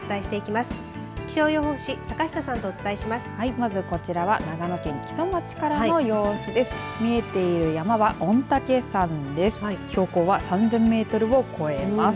まずこちらは長野県木曽町からの様子です。